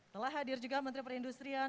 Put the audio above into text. telah hadir juga menteri perindustrian